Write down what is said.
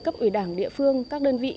cấp ủy đảng địa phương các đơn vị